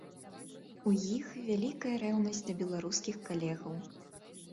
У іх вялікая рэўнасць да беларускіх калегаў.